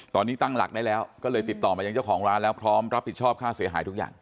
ตอนนี้ตั้งหลักได้แล้วก็เลยติดต่อมายังเจ้าของร้านแล้วพร้อมรับผิดชอบค่าเสียหายทุกอย่าง